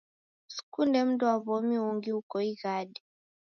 Sikunde mndwaw'omi ungi uko ighade